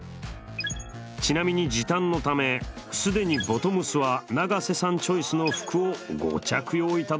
ちなみに時短のため既にボトムスは永瀬さんチョイスの服をご着用いただいてます。